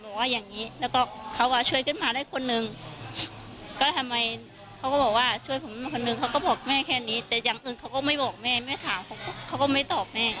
แต่อย่างอื่นเขาก็ไม่บอกแม่ไม่ถามเขาก็ไม่ตอบแม่